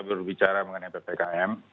berbicara mengenai ppkm